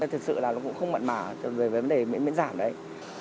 thực sự là nó cũng không mặn mà về vấn đề miễn giảm đấy